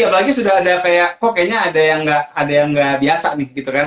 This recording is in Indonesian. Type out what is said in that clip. apalagi sudah ada kayak kok kayaknya ada yang nggak biasa nih gitu kan